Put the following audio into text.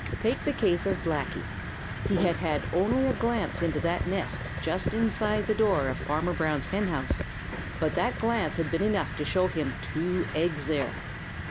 Take the case of Blacky. He had had only a glance into that nest just inside the door of Farmer Brown's henhouse, but that glance had been enough to show him two eggs there.